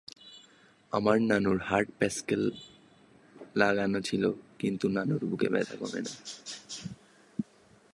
আমার নানুর হার্টে প্যাসকেল লাগানো ছিলো কিন্তু নানুর বুকে ব্যথা কমে নাই।